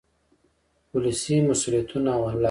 ولسي مسؤلیتونه او حل لارې.